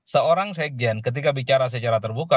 seorang sekjen ketika bicara secara terbuka